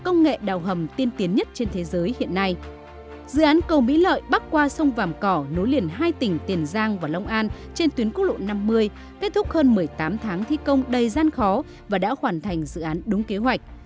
dự án cầu mỹ lợi bắc qua sông vàm cỏ nối liền hai tỉnh tiền giang và long an trên tuyến quốc lộ năm mươi kết thúc hơn một mươi tám tháng thi công đầy gian khó và đã hoàn thành dự án đúng kế hoạch